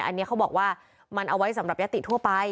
อันนี้เขาบอกว่ามันเอาไว้สำหรับยติทั่วไป